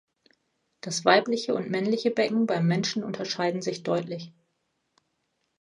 Das weibliche und männliche Becken beim Menschen unterscheiden sich deutlich.